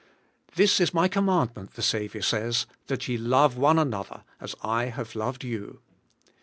'This is my commandment,' the Saviour says, *that ye love one another, as I have loved you.'